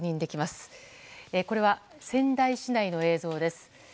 これは仙台市内の映像です。